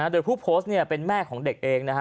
โดยผู้โพสต์เป็นแม่ของเด็กเองนะฮะ